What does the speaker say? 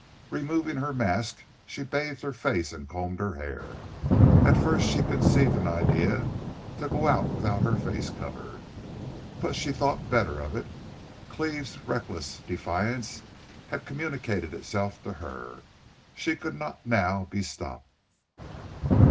Removing her mask, she bathed her face and combed her hair. At first she conceived an idea to go out without her face covered, but she thought better of it. Cleve's reckless defiance had communicated itself to her. She could not now be stopped.